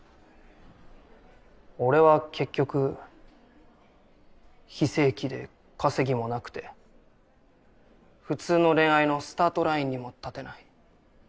俺は結局非正規で稼ぎもなくて普通の恋愛のスタートラインにも立てない。